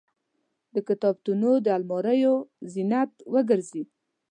د کتابتونونو د الماریو زینت وګرځي.